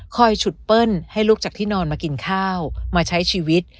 ฉุดเปิ้ลให้ลุกจากที่นอนมากินข้าวมาใช้ชีวิต